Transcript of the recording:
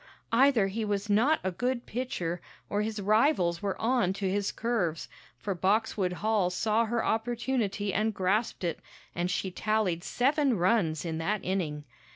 Either he was not a good pitcher, or his rivals were on to his curves, for Boxwood Hall saw her opportunity and grasped it, and she tallied seven runs in that inning.